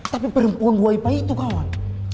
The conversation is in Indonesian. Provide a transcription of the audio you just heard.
tapi perempuan waipai itu kawan